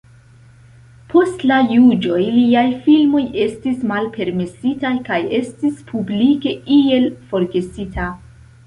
Post la juĝoj, liaj filmoj estis malpermesitaj kaj estis publike iel forgesita.